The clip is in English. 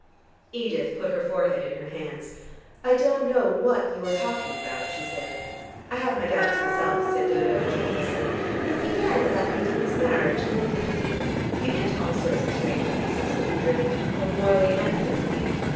Edith put her forehead in her hands. "I don't know what you are talking about," she said. "I have my doubts myself," said Dodo ingenuously. "It began about Nadine's marriage and then drifted. You get to all sorts of strange places if you drift, both morally and physically.